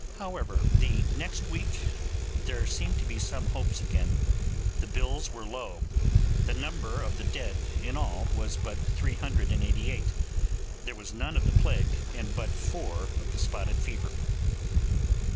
However, the next week there seemed to be some hopes again; the bills were low, the number of the dead in all was but 388, there was none of the plague, and but four of the spotted fever.